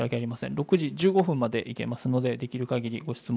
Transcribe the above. ６時１５分までいけますので、できるかぎりご質問